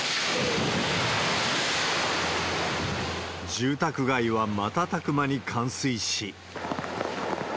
住宅街はまたたく間に冠水し。